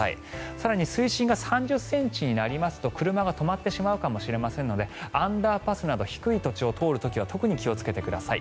更に水深が３０ｃｍになりますと車が止まってしまうかもしれませんのでアンダーパスなど低い土地を通る時には特に気をつけてください。